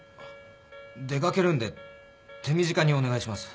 出かけるんで手短にお願いします。